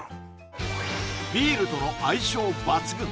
ビールとの相性抜群！